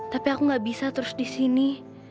tapi aku gak bisa terus disini